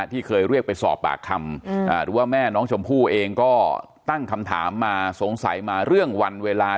ที่เคยเรียกไปสอบปากคำหรือว่าแม่น้องชมพู่เองก็ตั้งคำถามมาสงสัยมาเรื่องวันเวลา